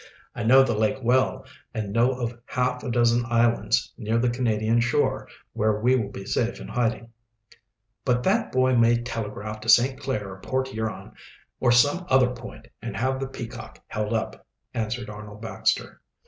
"I know the lake well, and know of half a dozen islands near the Canadian shore where we will be safe in hiding." "But that boy may telegraph to St. Clair or Port Huron, or some other point, and have the Peacock held up," answered Arnold Baxter.